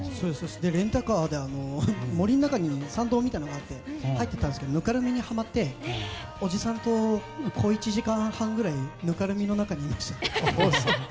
レンタカーで、森の中に参道みたいなのがあって入っていったんですけどぬかるみにはまっておじさんと小一時間半ぐらいぬかるみの中にいました。